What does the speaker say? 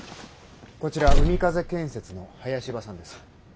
こちら海風建設の林葉さんです。